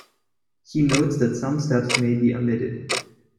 He notes that some steps may be omitted.